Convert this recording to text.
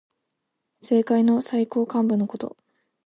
政界の最高幹部のこと。